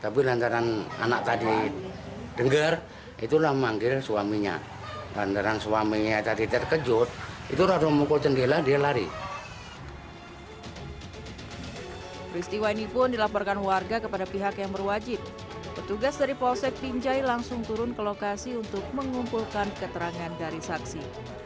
pertugas dari polsek pinjai langsung turun ke lokasi untuk mengumpulkan keterangan dari saksi